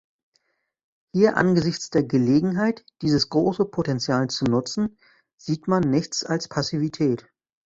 Hier angesichts der Gelegenheit, dieses große Potenzial zu nutzen, sieht man nichts als Passivität.